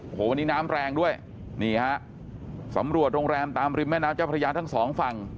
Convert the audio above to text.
โอ้โหวันนี้น้ำแรงด้วยนี่ฮะสำรวจโรงแรมตามริมแม่น้ำเจ้าพระยาทั้งสองฝั่ง